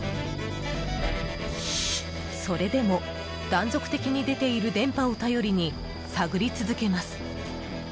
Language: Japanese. それでも、断続的に出ている電波を頼りに、探り続けます。